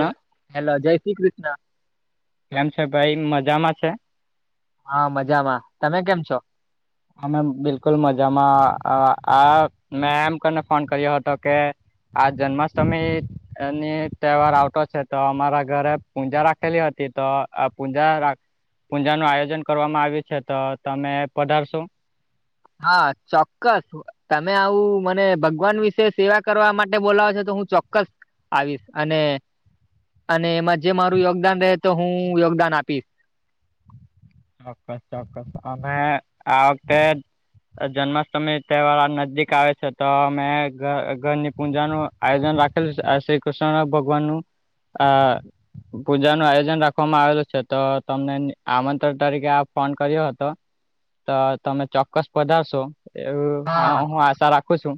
ના હેલો જય શ્રી કૃષ્ણ. કેમ છે ભાઈ મજામાં છે. હા મજામાં તમે કેમ છો. અમે બિલકુલ મજામાં મેં એમ કરીને ફોન કર્યો હતો કે. આ જન્માષ્ટમી. [unintelligible] તહેવાર આવતો છે, તો અમારા ઘરે પૂજા રાખેલી હતી તો આ પૂજા. પૂજા નું આયોજન કરવામાં આવ્યું છે, તો તમે પધારશો. હા ચોક્કસ. તમે આવું મને ભગવાન વિશે સેવા કરવા માટે બોલાવ છો તો હું ચોક્કસ. આવીશ અને અને એમાં જે મારું યોગદાન રહે તો હું યોગદાન આપીશ. ચોક્કસ ચોક્કસ અમે આ વતે જન્માષ્ટમી તહેવાર નજીક આવે છે તો અમે ઘરની પૂજાનું આયોજન રાખે શ્રી કૃષ્ણ ભગવાનનુંું આ પૂજા નું આયોજન રાખવામાં આવેલું છે તો તમને આમ તરીકે આ ફોન કર્યો હતો તો તમે ચોક્કસ પધારશો એવું હા હું આશા રાખું છું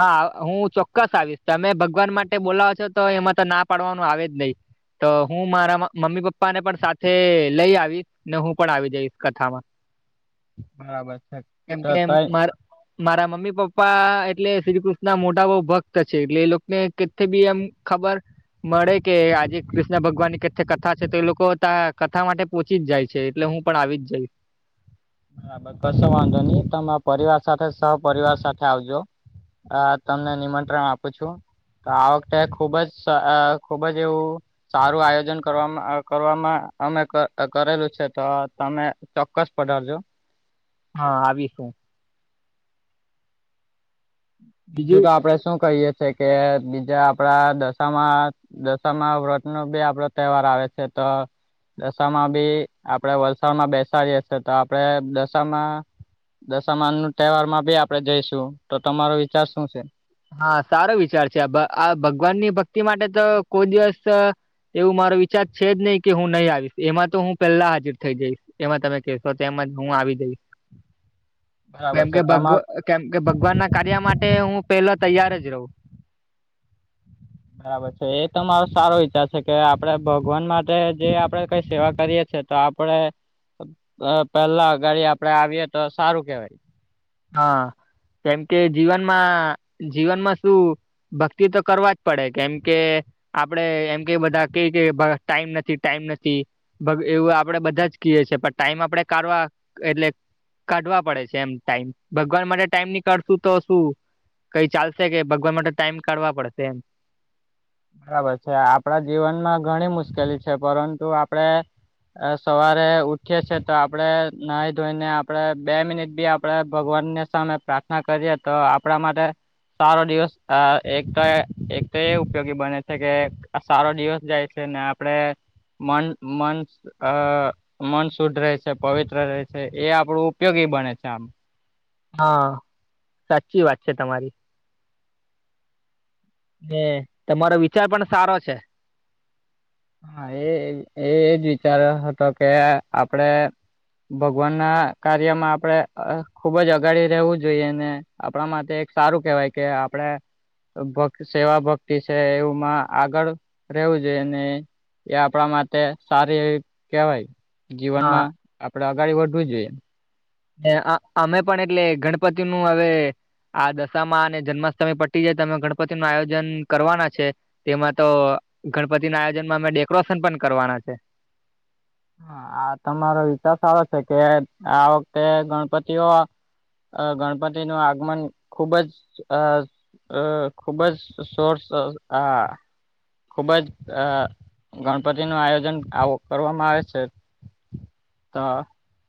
હા હું ચોક્કસ આવીશ તમે ભગવાન માટે બોલાવ છો તો એમાં તો ના પાડવાનું આવે જ નહી તો હું મારા મમ્મી પપ્પા ને પણ સાથે લઈ આવીશ ન હું પણ આવી જઈશ કથામાં બરાબર છે કેમ તો કે કઈ માર મારા મમ્મી પપ્પા એટલે શ્રી કૃષ્ણ મોટા બઉ ભક્ત છે એટલે એ લોકોને કે બી એમ ખબર મળે કે આજે કૃષ્ણ ભગવાન ની કે કથા છે તો એ લોકો ત કથા માટે ઓછી જાય છે એટલે હું પણ આવી જઈશ બરાબર કશો વાંધો નહી તમા પરિવાર સાથે સહપિવાર સાથે આવજો આ તમને નિમંત્રણ આપું છું તો આ વખતે ખુબ જ ખુબ જ એવું સારું આયોજન કરવામાં કરવામાં અમે કકરેલું છે તો તમે ચોક્કસ પધારજો હા આવીશું બીજું તો આપડે શું કહીએ છેએ કે બીજા આપડા દશામાં દશમા વ્રત નો બી આપડો તહેવાર આવે છે તો દશામાં બી આપડે વલસાડમાં બેસાડીએ છે તો આપડે દશામાં દશમાન નું તહેવાર માં બી આપડે જઈશું તો તમારો વિચાર શું છે હા સારો વિચાર છે આ આ ભગવાન ની ભક્તિ માટે તો કોઈ દિવસ એવું મારો વિચાર છે જ નહી કે હું નહી આવીશ એમાં તો હું પેલા હાજર થઇ જઈશ એમાં તમે કશો તોમજ હું આવી જઈશ [inaudible] છે કેમકે ભગ તમાર કેમ કે ભગવાન ના કાર્ય માટે હું પેલા તૈયાર જ રહું બરાબર છે એ તો મારો સારો વિચાર છે કે આપણે ભગવાન માટે જે આપડે કઈ સેવા કરીએ છેએ તો આપ આપડે પેલા ગાડી આપડે આવીએ તો સારું કેવાય હા કેમ કે જીવનમાં જીવનમાં શું ભક્તિ તો કરવા જ પડે કેમ કે આપડે એમ કે બધા કેઈ કે ટાઈમ નથી ટાઈમ નથી ભગ એવું આપડે બધા જ કીએ છીએ પણ ટાઈમ આપડે કાઢવા એટલે કાઢવા પડે છે એમ ટાઈમ ભગવાન માટે ટાઈમ નીકાળશું તો શું કઈ ચાલશે કે ભગવાન માટે ટાઈમ કાઢવા પડશે એમ બરાબર છે આપણા જીવનમાં ઘણી મુશ્કેલી છે પરંતુ આપડે સવારે ઉઠીએ છે તો આપડણે નાહી ધોઈને આપણેે બે મિનિટ બી આપડે ભગવાનને સામે પ્રાર્થના કરીએ તો આપણા માટે સારો દિવસ અ એક તો એ એક તો એ ઉ ઉપયોગી બને છે કે આ સારો દિવસ જાય છે ને આપડે મન મન અ મન શુદ્ધ રહે છે પવિત્ર રહે છે એ આપડું ઉપયોગી બને છે આમ હા સાચી વાત છે તમારી એ તમારો વિચાર પણ સારો છે હા એજ એજ વિચાર હતો કે આપડે ભગવાન ના કાર્યમાં આપડે ખુબ જ અગાડી રહેવું જોઈએ ને આપણા માટે એક સારું કેહેવાય કે આપડે ભક સેવા ભક્તિ છે એવુંમાં આગળ રહેવું જોઈએ અને એ આપણા માટે સારી એવી કેહેવાય હા જીવનમાં આપડે આગાળ વધવું જોઈએ અમે પણ એટલે ગણપતિ નું હવે આ દશામાં અને જન્માષ્ટમી પટી જાય તમે ગણપતિનું આયોજન કરવાના છે. તેમાં તો ગણપતિના આયોજનમાં અમે ડેકોરોશન પણ કરવાના છે. હા આ તમારો વિચાર સારો છે, કે આ વખતે ગણપતિઓ અ ગણપતિનું આગમન ખુબ જ અ અ ખુબ જ સોરસ આ ખુબ જ અ ગણપતિનું આયોજન આવો કરવામાં આવે છે, તો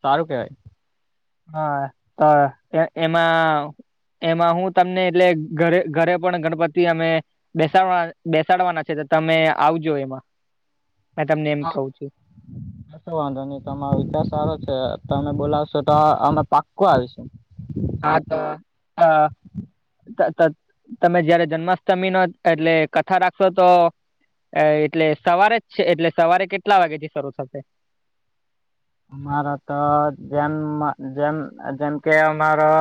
સારું કહેવાય હા તો એ એમાં એમાં હું તમને એટલે ઘરે ઘરે પણ ગણપતિ અમે બેસાડવા બેસાડવાના છે, તો તમે આવજો એમાં મે તમને એમ હા કહું છું. કશો વાંધો ની તો તમારો વિચાર સારો છે, તમે બોલાવશો તો અમે પાક્કો આવીશ હા તો અ ત ત તમે જયારે જન્માષ્ટમી નો એટલે કથા રાખશો તો અ એટલે સવારે જ છે, એટલે સવારે કેટલા વાગે થી શરૂ થશે? અમારા તો જેન જેન જેમ કે અમારો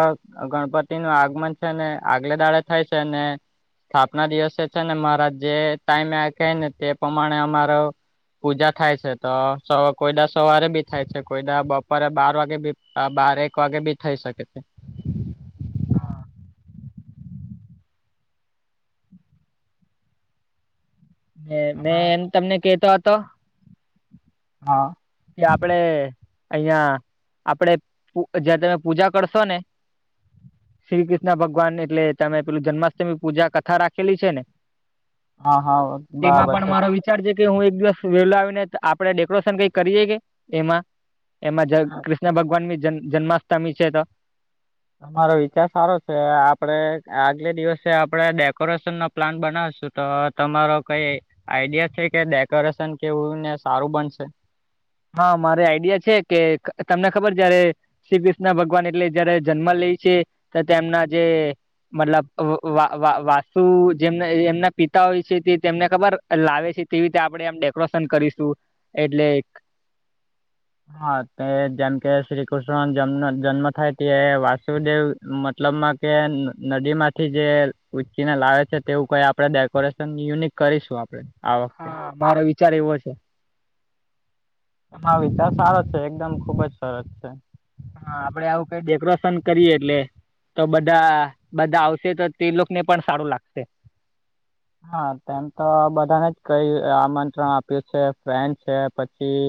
ગણપતિનું આગમન છે, ને આગલે દાડે થાય છે, ને સ્થાપના દિવસે છે, ને મારા જે ટાઈમે કેય ને તે પ્રમાણે અમારો પૂજા થાય છે, તો કોઈડા સવારે બી થાય છે, કોઈદા બપોરે બાર વાગે બી આ બાર એક વાગે બી થઈ શકે છે. હા. મે મેં એમ તમને કેતો હતો. હા. કે આપડે અહિયાં આપડે જ્યાં તમે પૂજા કરશો ને શ્રી કૃષ્ણ ભગવાન એટલે તમે પેલું જન્માષ્ટમી પૂજા કથા રાખેલી છે, ને હા હા તેમાં બરાબર પણ છે. મારો વિચાર છે, કે હું એક દિવસ વેલો આવીને આપણે ડેકોરેશન કઈ કરીએે કે એમાં એમાં જ કૃષ્ણ ભગવાનની જ જન્માષ્ટમી છે, તો તમારો વિચાર સારો છે, આપડે આગલે દિવસે આપડે ડેકોરેશન નો પ્લાન બનાવશું તો તમારો કઈ આઈડિયા છે, કે ડેકોરેશન કેવું ને સારું બનશે હા મારે આઈડિયા છે, કે તમને ખબર જયારે શ્રી કૃષ્ણ ભગવાન એટલે જયારે જન્મ લે છે, તો તેમના જે મતલબ વા વા વાસુ જેમ એમના પિતા હોય છે, તે તેમને ખબર લાવે છે, તેવી રીતે આપણેે આમ ડેકોરેશન કરીશું એટલે હા તે જેમ કે શ્રી કૃષ્ણ જન્મ જન્મ થાય તે વાસુદેવ મતલબમાં કે નદી માંથી જે ઉંચકીને લાવે છે, તેવું કઈ આપડે ડેકોરેશન યુનિક કરીશું આપડે આ વખતે. હા મારો વિચાર એવો છે. વિચાર સારો છે, એકદમ ખુબજ સરસ છે. હા આપડે આવું કઈ ડેકોરેશન કરીએ એટલે તો બધા બધા આવશે તો તે લોકોને પણ સારું લાગશે હા તેમ તો બધાને જ કઈ આમંત્રણ આપ્યું છે, ફ્રેન્ડ છે, પછી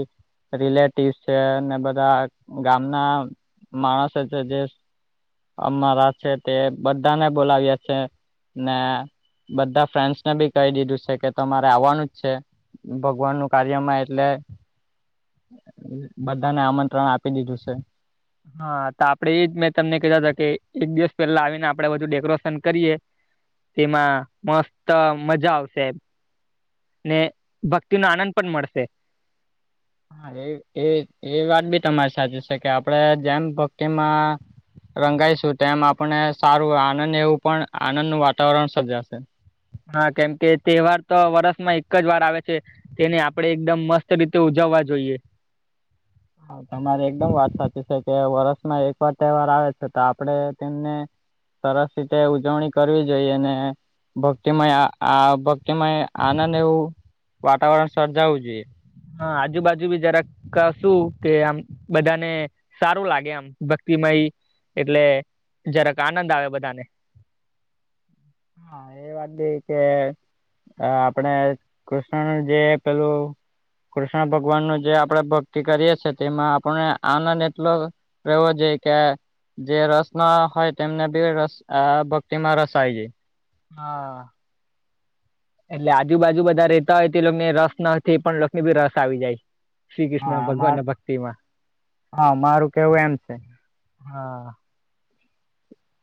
રિલેટિવસ છે, ને બધા ગામના માણસે છે, જે અમારા છે, તે બધાને બોલાવ્યા છે, ને બધા ફ્રેન્ડ્સ ને બી કહી દીધું છે, કે તમારે આવવાનું જ છે. ભગવાનનું કાર્યમાં એટલે બધાને આમંત્રણ આપી દીધું છે. હા તો આપડે એ જ મેં તમને કેતા હતા કે એક દિવસ પહેલા આવીને આપડે બધું ડેકોરેશન કરીએ તેમાં મસ્ત મજા આવશે ને ભક્તિનો આનંદ પણ મળશે હા, એ એ એ વાત બી તમારી સાચી છે કે આપડે જેમ ભક્તિમાં રંગાઈશું તેમ, આપણને સારું આનંદ એવું, પણ આનંદ નું વાતાવરણ સર્જાશે. હા, કેમ કે તહેવાર તો વરસમાં એક જ વાર આવે છે. તેને આપણે એકદમ મસ્ત રીતે ઉજવવા જોઈએ. હા તમારી એકદમ વાત સાચી છે કે વરસમાં એકવાર તહેવાર આવે છે તો આપડે તેમને સરસ રીતે ઉજવણી કરવી જોઈએ ને, ભક્તિમય, આ ભક્તિમય આનંદ એવું વાતાવરણ સર્જાવું જોઈએ. હા, આજુબાજુ બી જરાક ક સુ કે આમ બધાને સારું લાગે. આમ ભક્તિમય એટલે જરાક આનંદ આવે બધાને. હા, એ વાત ઈ કે અ આપણે કૃષ્ણનું જે પેલું, કૃષ્ણ ભગવાન નું જે આપણે ભક્તિ કરીએ છે, તેમાં આપણે આનંદ એટલો, રેવો જોઈએ કે જે રસ ના હોય તેમને બી રસ ભક્તિમાં રસાય જાય. હા એટલે આજુબાજુ બધા રહેતા હોય તે લોક ને રસ નથી પણ લોકને બી રસ આવી જાય શ્રી ક્રિષ્ના હા માર ભગવાનના ભક્તિમાં હા મારું કેવું એમ છે. હા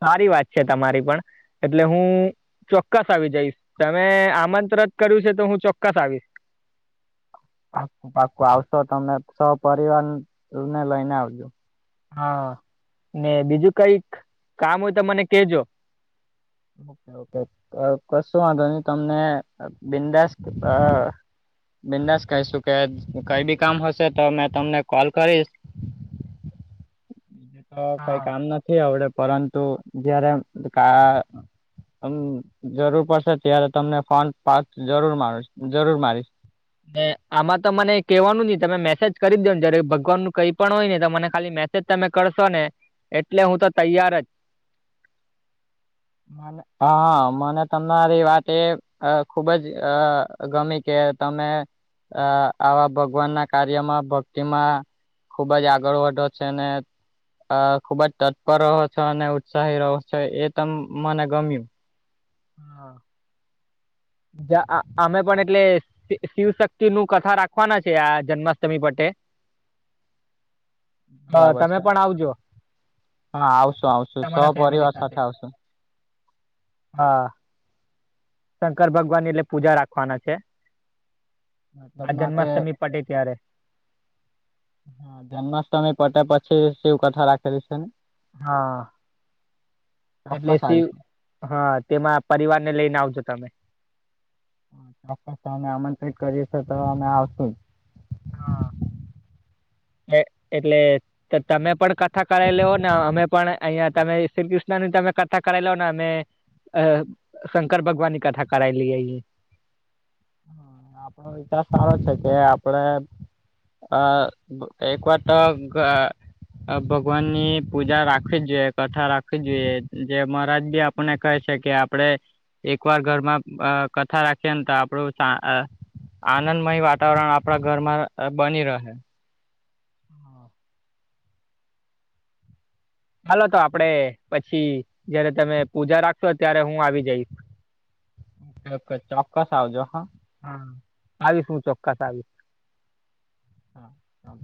સારી વાત છે, તમારી પણ. એટલે હું, ચોક્કસ આવી જઇસ. તમે આમંત્રત કર્યું છે તો હું ચોક્કસ આવીસ પાક, પાકુ, આવ તો તમે સહ પરિવારને લઈને આવજો. હા, ને બીજું કઈક કામ હોય, તો મને કેજો. ઓકે ઓકે કસો વાંધો નહી તમને બિંદાસ અ બિંદાસ કહીશું કે કઈ બી કામ હશે તો મેં તમને કોલ કરીસ. હ, કંઈ હા કામ નથી અવડે પરંતુ જયારે કા મ જરૂર પડસે ત્યારે તમને ફોન પા જરૂર માર જરૂર મારીસ ને આમાં તો મને કેહેવાનું જ નહ, તમે મેસેજ કરી દો ને જ્યારે ભગવાનનુ કઈ પણ હોય ને, તો મને ખાલી મે સેજ તમે કરશો ને, એટલે હું તો તૈયાર જ. હા, મને તમારી વાત એ અ ખુબ જ અ ગમે કે તમે અ આવા ભગવાનના કાર્યમાં, ભક્તિમાં ખુબ જ આગળ વધો છે ને આ ખુબ જ તત્પર રહો છો, અને ઉત્સાહી રહો છો, એ તમ મને ગમ્યું. જ્યાં આ અમે પણ એટલે શિવશક્તિનું કથા રાખવાના છે, આ જન્માષ્ટમી પટે [inaudible] હ, બરાબર તમે છે પણ આવજો. હા, આવસુ, આવસુ, તમારા ફેમિલી સહપરીવાર સાથે આવસુ. હા શંકર ભગવાનની એટલે પૂજા રાખવાના છે, આ મતલબમાં કે જન્માષ્ટમી પતે ત્યારે જન્માષ્ટમી પતે પછી શિવ કથા રાખેલી છે? હા, એટલે ચોક્કસ શિવ આવીશું હા, તેમાં પરિવાર ને લઈને આવજો તમે. અમને તમે આમંત્રિત કરીએ છે, તો અમે આવસુ. હા, એ એટલે તે તમે પણ કથા કરાઈ લેઓ ને અમે પણ અહિયાં તમે શ્રી કૃષ્ણની તમે કથા કરાઈ લોને અમે અ શંકર ભગવાનની કથા કરાઈ લઈએ. આપણો વિચાર સારો છે કે આપડે અ એક વાર તો ગા આ ભગવાનની પૂજા રાખવી જ જોઈએ, કથા રાખવી જોઈએ. જે મારાજ બી આપ પને કહે છે કે આપણે એક વાર ઘરમાં અ કથા રાખીએ ન તો આપડું આ અ આનંદમય વાતાવરણ આપણા ઘરમાં અ બની રહે હાલો તો આપડે પછી જયારે તમે પૂજા રાખશો ત્યારે હું આવી જઈશ. ચોક્કસ ચોક્કસ આવજો હ હા આવીશ હું ચોક્કસ આવીશ. હા હા